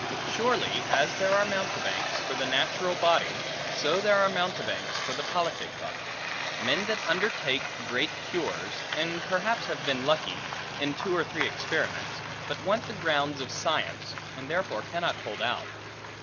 Surely, as there are mountebanks for the natural body, so are there mountebanks for the politic body; men that undertake great cures, and perhaps have been lucky, in two or three experiments, but want the grounds of science, and therefore cannot hold out.